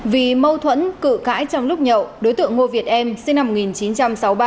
vì mâu thuẫn cự cãi trong lúc nhậu đối tượng ngô việt em sinh năm một nghìn chín trăm sáu mươi ba